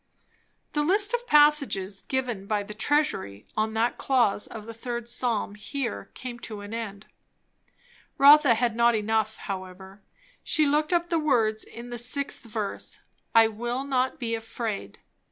The list of passages given by the "Treasury" on that clause of the third psalm here came to an end. Rotha had not enough, however; she took up the words in the 6th verse "I will not be afraid," etc.